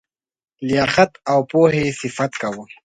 لیاقت او پوهي صفت کاوه.